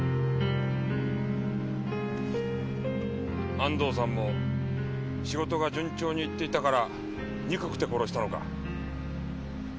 安藤さんも仕事が順調に行っていたから憎くて殺したのか？